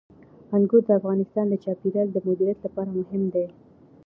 انګور د افغانستان د چاپیریال د مدیریت لپاره مهم دي.